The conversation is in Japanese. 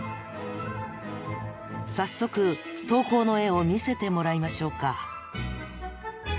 早速投稿の絵を見せてもらいましょうか。